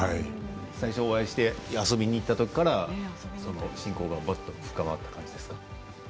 最初お会いして遊びに行ったときから親交がぐっと深まった感じですか？